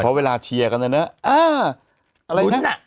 เพราะเวลาเชียร์คุณกันอะไรนะ